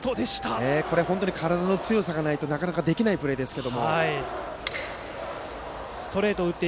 本当に体の強さがないとなかなかできないプレーですが。